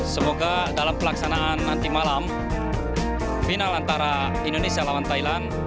semoga dalam pelaksanaan nanti malam final antara indonesia lawan thailand